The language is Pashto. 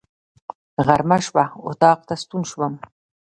غرمه شوه، اطاق ته ستون شوم.